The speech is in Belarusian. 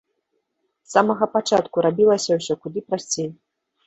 З самага пачатку рабілася ўсё куды прасцей.